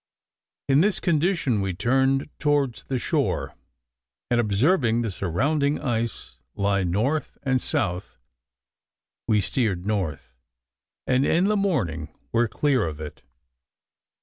In this condition we turned towards the shore, and observing the surrounding ice lie north and south, we steered north, and in the morning were clear of it.